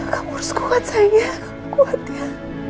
kamu harus kuat sayang ya kamu kuat ya